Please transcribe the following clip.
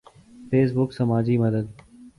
face بک سماجی مدد